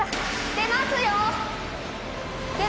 出ますよ！